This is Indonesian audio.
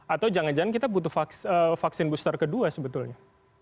atau jangan jangan kita butuh vaksin booster kedua sebetulnya